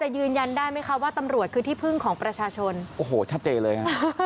ยืมเงินตำรวจจราจรซะเลย